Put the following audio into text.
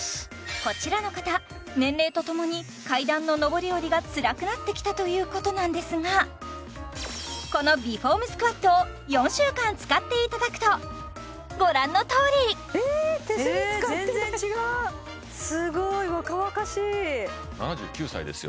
こちらの方年齢とともに階段の上り下りがつらくなってきたということなんですがこの美フォームスクワットを４週間使っていただくとご覧のとおり・え手すり使ってない・え全然違うすごい若々しい７９歳ですよ